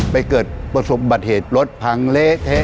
ไปเกิดประสุนบัติเหตุรถพังเลเธก